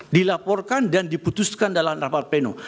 dilaporkan dan diputuskan dalam rapat pleno